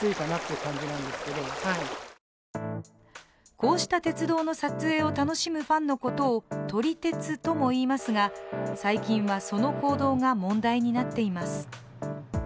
こうした鉄道の撮影を楽しむファンのことを撮り鉄とも言いますが、最近はその行動が問題になっています。